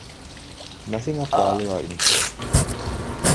Nothing of value or interest.